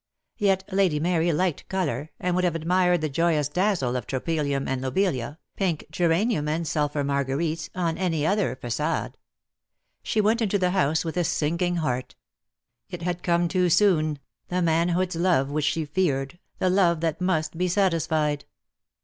Yet Lady Mary liked colour, and would have admired the joyous dazzle of tropelium and lobelia, pink geranium and sulphur marguerites, on any other facade. She went into the house with a sinking heart. It had 144 DEAD LOVE HAS CHAINS. come too soon, the manhood's love which she feared, the love that must be satisfied.